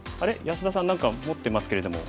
安田さん何か持ってますけれども。